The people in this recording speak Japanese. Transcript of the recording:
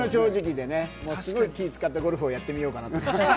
すごい気を使ってゴルフやってみようかなと。